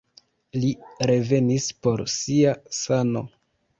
Li revenis por sia sano.